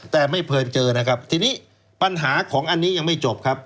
ทีนี้ปัญหาของอันนี้ยังไม่จบครับ